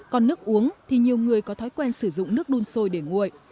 còn nước uống thì nhiều người có thói quen sử dụng nước đun sôi để nguội